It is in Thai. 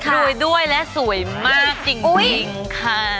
รวยด้วยและสวยมากจริงค่ะ